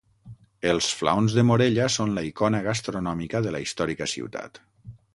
Els flaons de Morella són la icona gastronòmica de la històrica ciutat.